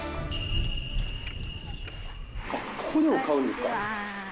ここでも買うんですか？